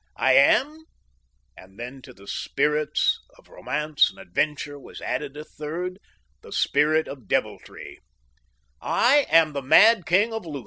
I am," and then to the spirits of Romance and Adventure was added a third, the spirit of Deviltry, "I am the mad king of Lutha."